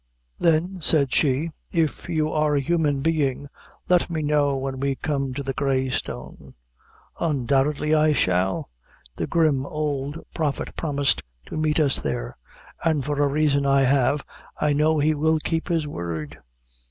"Then," said she, "if you are a human being, let me know when we come to the Grey Stone." "Undoubtedly, I shall. The grim old Prophet promised to meet us there and, for a reason I have, I know he will keep his word.